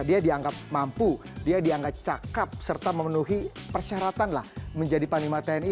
dia dianggap mampu dia dianggap cakep serta memenuhi persyaratan lah menjadi panglima tni